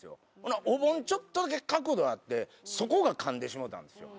お盆ちょっとだけ角度あってそこがかんでしもうたんですよ。